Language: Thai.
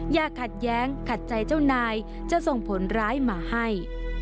อย่าขัดแย้งขัดใจเจ้านายจะส่งผลร้ายมาให้